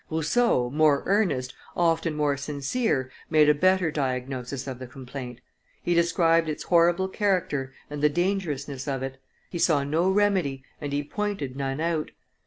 Rousseau, more earnest, often more sincere, made a better diagnosis of the complaint; he described its horrible character and the dangerousness of it, he saw no remedy and he pointed none out.